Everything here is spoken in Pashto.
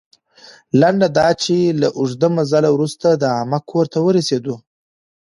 لنډه دا چې، له اوږده مزل وروسته د عمه کور ته ورسېدو.